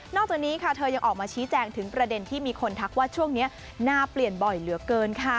จากนี้ค่ะเธอยังออกมาชี้แจงถึงประเด็นที่มีคนทักว่าช่วงนี้หน้าเปลี่ยนบ่อยเหลือเกินค่ะ